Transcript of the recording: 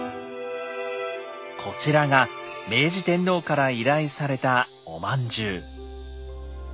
こちらが明治天皇から依頼されたおまんじゅう。